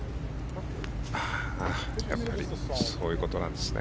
やっぱりそういうことなんですね